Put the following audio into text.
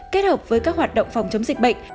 kết hợp với các hoạt động phòng chống dịch bệnh